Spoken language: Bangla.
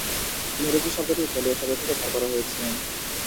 ইংরেজি শব্দটি ইতালীয় শব্দ থেকে ধার করা হয়েছে।